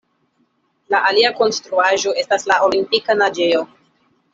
La alia konstruaĵo estas la Olimpika naĝejo.